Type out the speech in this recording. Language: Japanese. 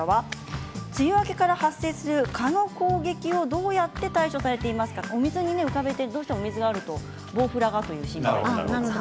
梅雨明けから発生する蚊の攻撃をどうやって対処されていますか水に浮かべて、どうしても水があるとボウフラが心配があります。